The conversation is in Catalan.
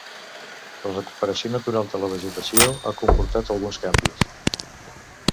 La recuperació natural de la vegetació ha comportat alguns canvis.